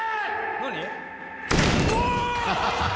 何？